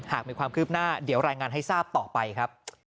หากมีความคืบหน้าเดี๋ยวรายงานให้ทราบต่อไปครับ